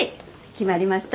決まりました？